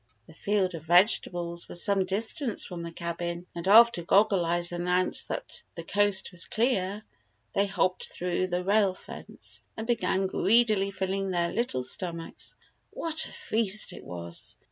The field of vegetables was some distance from the cabin, and after Goggle Eyes announced that the coast was clear, they hopped through the rail fence, and began greedily filling their little stomachs. What a feast it was!